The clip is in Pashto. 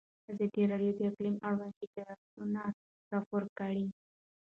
ازادي راډیو د اقلیم اړوند شکایتونه راپور کړي.